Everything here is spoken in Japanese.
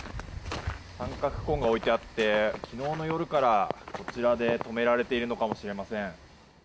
三角コーンが置いてあって昨日の夜からこちらで止められているのかもしれません。